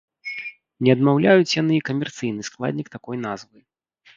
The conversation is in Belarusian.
Не адмаўляюць яны і камерцыйны складнік такой назвы.